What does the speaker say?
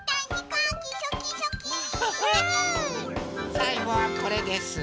さいごはこれです。